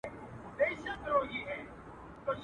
o سل د زرگر، يو د گگر.